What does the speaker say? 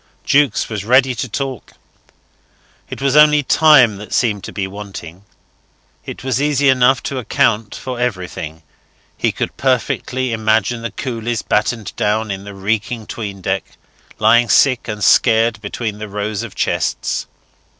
Jukes was ready to talk: it was only time that seemed to be wanting. It was easy enough to account for everything. He could perfectly imagine the coolies battened down in the reeking 'tween deck, lying sick and scared between the rows of chests.